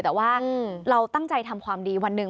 แต่ว่าเราตั้งใจทำความดีวันหนึ่ง